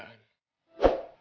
dia orang yang ketegaan